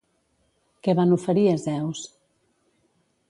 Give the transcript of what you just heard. Què van oferir a Zeus?